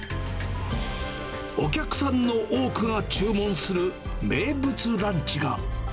お客さんの多くが注文する名物ランチが。